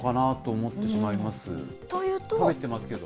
入ってますけど。